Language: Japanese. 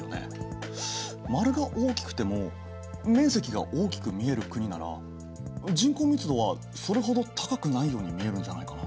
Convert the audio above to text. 丸が大きくても面積が大きく見える国なら人口密度はそれほど高くないように見えるんじゃないかな？